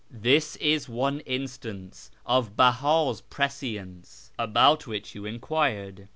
" This is one instance of Beha's prescience, about which you enquired.